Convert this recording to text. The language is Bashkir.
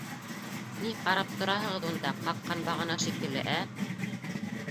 Ни ҡарап тораһығыҙ унда, ҡаҡҡан бағана шикелле, ә?!